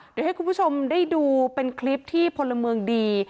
เดี๋ยวให้คุณผู้ชมได้ดูเป็นคลิปที่พลเมืองดี